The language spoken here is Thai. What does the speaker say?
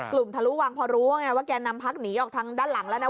ทะลุวังพอรู้ว่าไงว่าแก่นำพักหนีออกทางด้านหลังแล้วนะ